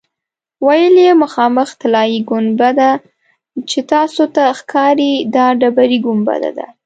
ویل یې مخامخ طلایي ګنبده چې تاسو ته ښکاري دا ډبرې ګنبده ده.